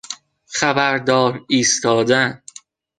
خبردار ایستادن